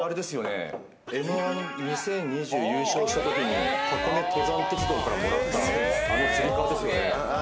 М‐１・２０２０優勝したときに、箱根登山鉄道からもらった、あのつり革ですよね。